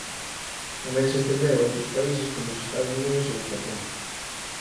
Tamén se estendeu a outros países como os Estados Unidos e o Xapón.